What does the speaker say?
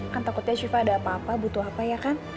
kan takutnya syifa ada apa apa butuh apa ya kan